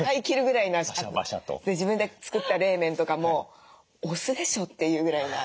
自分で作った冷麺とかもお酢でしょというぐらいな。